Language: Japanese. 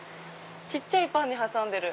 小っちゃいパンに挟んでる。